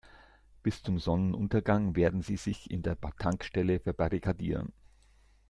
Bis zum Sonnenuntergang werden sie sich in der Tankstelle verbarrikadieren.